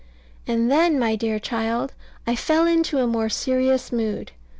And then, my dear child, I fell into a more serious mood.